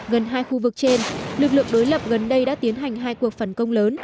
gần hai khu vực trên lực lượng đối lập gần đây đã tiến hành hai cuộc phản công lớn